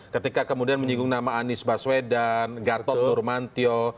ketika kemudian menyinggung nama anies baswedan gatot nurmantio